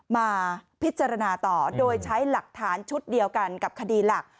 มาพิจารณาต่อโดยใช้หลักฐานชุดเดียวกันกับคดีหลัก